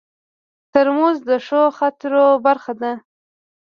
ترموز د ښو خاطرو برخه ده.